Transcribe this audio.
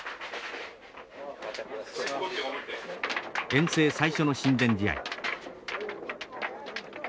遠征最初の親善試合。